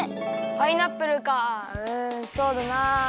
パイナップルかうんそうだな。